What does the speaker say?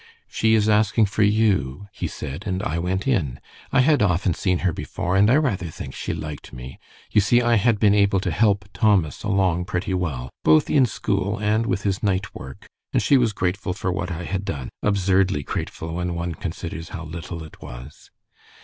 'She is asking for you,' he said, and I went in. I had often seen her before, and I rather think she liked me. You see, I had been able to help Thomas along pretty well, both in school and with his night work, and she was grateful for what I had done, absurdly grateful when one considers how little it was.